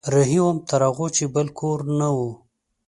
رهي وم تر هغو چې بل کور نه و